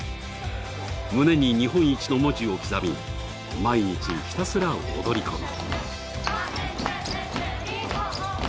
胸に日本一の文字を刻み毎日ひたすら踊り込む。